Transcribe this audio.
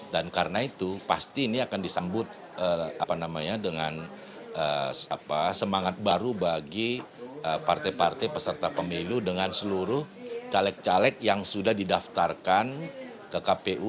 dan karena itu pasti ini akan disambut apa namanya dengan semangat baru bagi partai partai peserta pemilu dengan seluruh caleg caleg yang sudah didaftarkan ke kpu